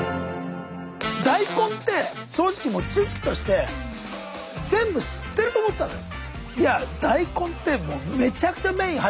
大根って正直もう知識として全部知ってると思ってたのよ。